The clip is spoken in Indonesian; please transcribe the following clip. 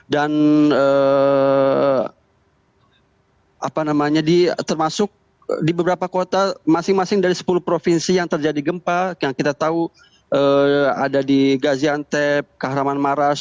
dan termasuk di beberapa kota masing masing dari sepuluh provinsi yang terjadi gempa yang kita tahu ada di gaziantep kahraman maras